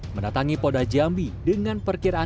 mendatangi poda jambi dengan perkembangan